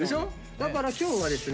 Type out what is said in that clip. だから今日はですね